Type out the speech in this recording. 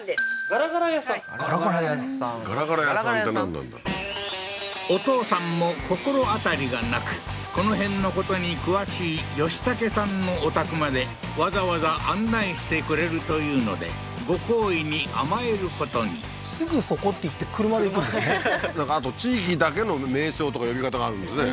がらがら屋さんってなんなんだお父さんも心当たりがなくこの辺のことに詳しいヨシタケさんのお宅までわざわざ案内してくれるというのでご厚意に甘えることに「すぐそこ」って言って車で行くんですねなんかあと地域だけの名称とか呼び方があるんですね